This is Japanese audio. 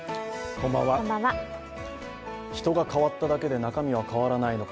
人が変わっただけで中身が変わらないのか。